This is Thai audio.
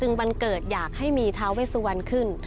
จึงบันเกิดอยากให้มีทาเวสุวรรณขึ้น